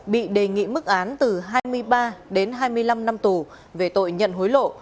bị đề nghị mức án từ hai mươi ba đến hai mươi năm năm tù về tội nhận hối lộ